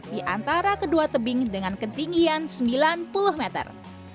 di antara kedua tebing dengan ketinggian sembilan puluh meter